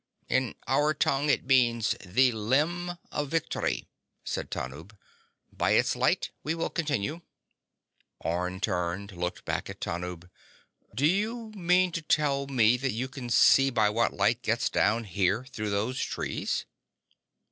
"In our tongue it means: The Limb of Victory," said Tanub. "By its light we will continue." Orne turned, looked back at Tanub. "Do you mean to tell me that you can see by what light gets down here through those trees?"